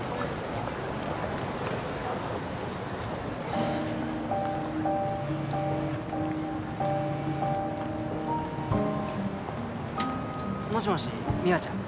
ハァ・もしもし美和ちゃん？